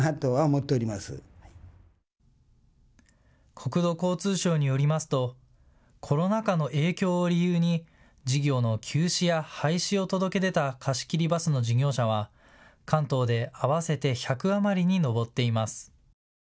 国土交通省によりますとコロナ禍の影響を理由に事業の休止や廃止を届け出た貸し切りバスの事業者は関東で合わせて１００余りに上っています。